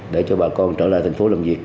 để cho bà con trở lại thành phố làm việc